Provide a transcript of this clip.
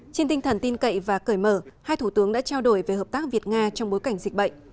trên tinh thần tin cậy và cởi mở hai thủ tướng đã trao đổi về hợp tác việt nga trong bối cảnh dịch bệnh